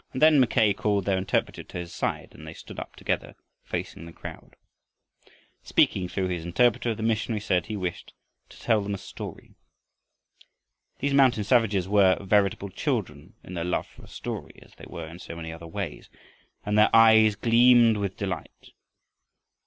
And then Mackay called their interpreter to his side and they stood up together, facing the crowd. Speaking through his interpreter, the missionary said he wished to tell them a story. These mountain savages were veritable children in their love for a story, as they were in so many other ways, and their eyes gleamed with delight.